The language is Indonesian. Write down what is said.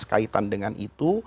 hal hal yang sangat menarik